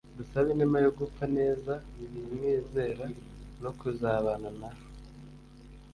dusaba inema yo gupfa neza, kumwizera no kuzabana na